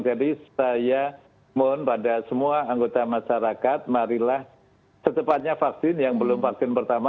jadi saya mohon pada semua anggota masyarakat marilah setepatnya vaksin yang belum vaksin pertama